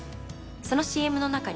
そのＣＭの中に。